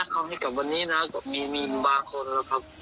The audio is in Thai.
เขาให้กลับวันนี้นะก็มีบางคนแล้วครับ